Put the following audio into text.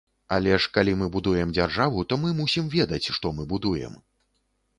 Але ж калі мы будуем дзяржаву, то мы мусім ведаць, што мы будуем.